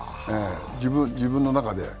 自分の中で。